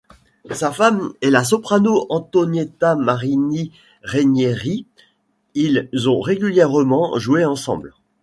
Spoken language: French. Sa femme est la soprano Antonietta Marini-Rainieri, ils ont régulièrement joué ensemble.